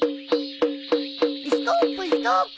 ストップストップ。